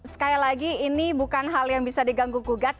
sekali lagi ini bukan hal yang bisa diganggu gugat